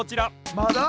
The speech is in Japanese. まだ？